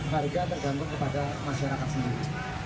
harga tergantung kepada masyarakat sendiri